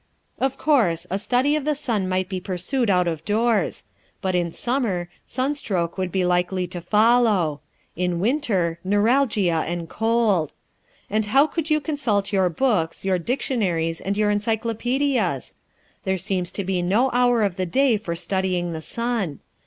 Of course, a study of the sun might be pursued out of doors. But in summer, sunstroke would be likely to follow; in winter, neuralgia and cold. And how could you consult your books, your dictionaries, your encyclopædias? There seems to be no hour of the day for studying the sun.